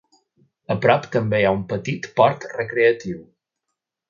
A prop també hi ha un petit port recreatiu.